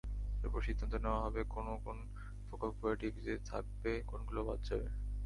এরপর সিদ্ধান্ত নেওয়া হবে কোন কোন প্রকল্প এডিপিতে থাকবে, কোনগুলো বাদ যাবে।